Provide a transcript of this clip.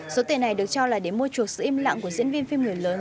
số tiền này được cho là để mua chuộc sự im lặng của diễn viên phim người lớn